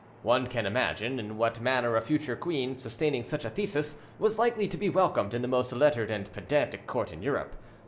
One can imagine in what manner a future queen, sustaining such a thesis, was likely to be welcomed in the most lettered and pedantic court in Europe.